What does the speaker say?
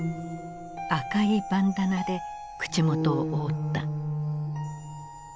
赤いバンダナで口元を覆った。